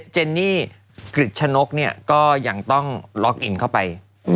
เจนนี่กริจชะนกก็ยังต้องล็อกอินเข้าไป